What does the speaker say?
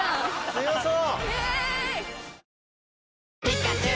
強そう！